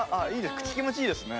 口気持ちいいですね。